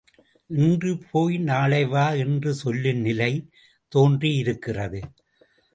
இன்று போய் நாளை வா என்று சொல்லும் நிலை தோன்றியிருக்கிறது.